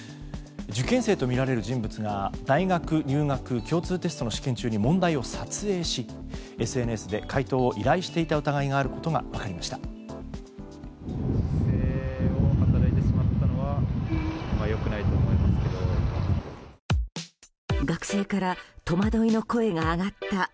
受験生とみられる人物が大学入学共通テストの試験中に問題を撮影しＳＮＳで解答を依頼していた疑いがあることが分かりました。